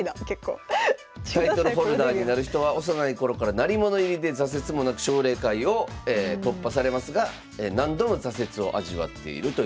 タイトルホルダーになる人は幼い頃から鳴り物入りで挫折もなく奨励会を突破されますが何度も挫折を味わっているということです。